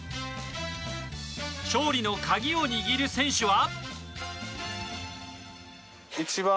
勝利の鍵を握る選手は？